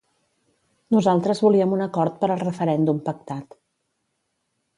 Nosaltres volíem un acord per al referèndum pactat.